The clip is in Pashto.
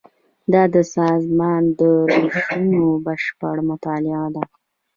دا د سازمان د روشونو بشپړه مطالعه ده.